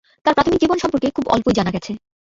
তার প্রাথমিক জীবন সম্পর্কে খুব অল্পই জানা গেছে।